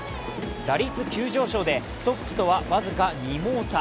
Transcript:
打率急上昇で、トップとは僅か２打差。